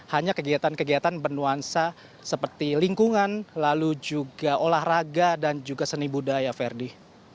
hanya kegiatan kegiatan bernuansa seperti lingkungan lalu juga olahraga dan juga seni budaya ferdi